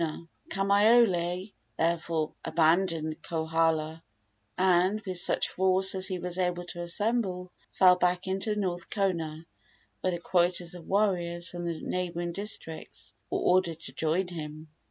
Kamaiole therefore abandoned Kohala, and, with such force as he was able to assemble, fell back into North Kona, where the quotas of warriors from the neighboring districts were ordered to join him.